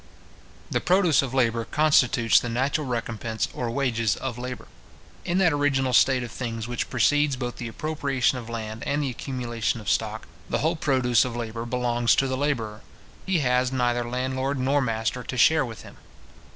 The produce of labour constitutes the natural recompence or wages of labour. In that original state of things which precedes both the appropriation of land and the accumulation of stock, the whole produce of labour belongs to the labourer. He has neither landlord nor master to share with him.